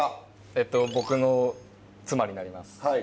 えっと僕の妻になります。